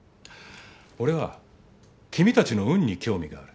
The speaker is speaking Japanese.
俺は君たちの運に興味がある。